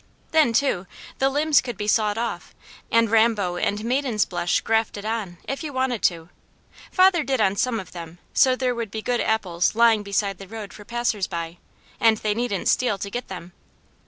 Then too, the limbs could be sawed off and rambo and maiden's blush grafted on, if you wanted to; father did on some of them, so there would be good apples lying beside the road for passers by, and they needn't steal to get them.